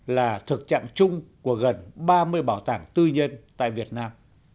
là thực trạng chung của gần ba mươi bảo tàng tư nhân tại việt nam